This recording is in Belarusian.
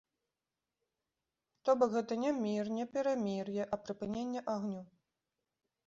То бок, гэта не мір, не перамір'е, а прыпыненне агню.